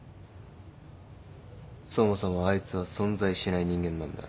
そもそもあいつは存在しない人間なんだ。